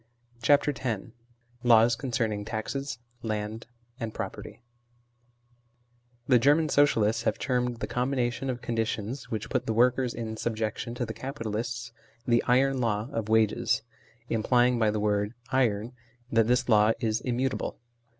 CHAPTEK X LAWS CONCERNING TAXES, LAND, AND PEOPEETY THE German Socialists have termed the combina tion of conditions which put the workers in subjection to the capitalists, the iron law of wages, implying by the word " iron " that this law is immutable.